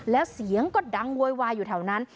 แล้วเสียงก็ดังโวยวายอยู่แถวนั้น